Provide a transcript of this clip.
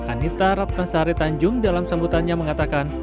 anita ratnasari tanjung dalam sambutannya mengatakan